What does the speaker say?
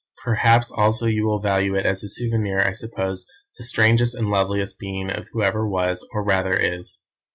Perhaps also you will value it as a souvenir of, I suppose, the strangest and loveliest being who ever was, or rather, is.